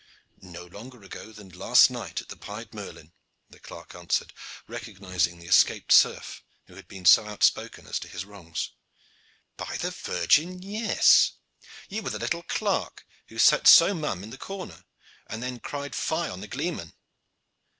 "No longer ago than last night at the 'Pied Merlin,'" the clerk answered, recognizing the escaped serf who had been so outspoken as to his wrongs. "By the Virgin! yes. You were the little clerk who sat so mum in the corner, and then cried fy on the gleeman.